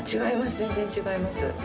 全然違います。